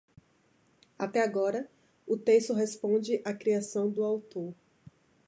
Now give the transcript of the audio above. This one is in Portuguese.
Até agora, o texto responde à criação do autor.